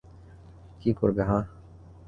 কী করবে, হাহ?